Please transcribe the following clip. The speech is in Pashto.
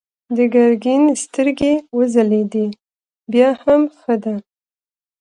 د ګرګين سترګې وځلېدې: بيا هم ښه ده.